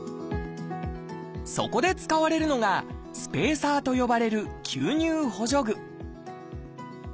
そこで使われるのが「スペーサー」と呼ばれる吸入補助具